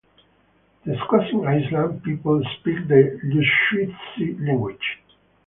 The Squaxin Island people speak the Lushootseed language.